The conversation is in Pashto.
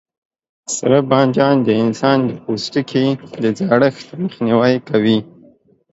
سره بانجان د انسان د پوستکي د زړښت مخنیوی کوي.